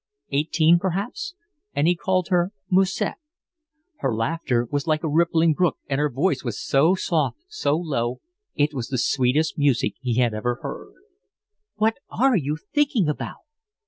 Eighteen perhaps, and he called her Musette. Her laughter was like a rippling brook, and her voice was so soft, so low, it was the sweetest music he had ever heard. "What ARE you thinking about?"